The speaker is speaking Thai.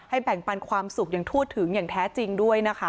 แบ่งปันความสุขอย่างทั่วถึงอย่างแท้จริงด้วยนะคะ